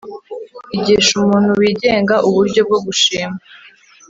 igisha umuntu wigenga uburyo bwo gushima.